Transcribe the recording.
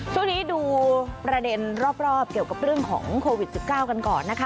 ช่วงนี้ดูประเด็นรอบเกี่ยวกับเรื่องของโควิด๑๙กันก่อนนะคะ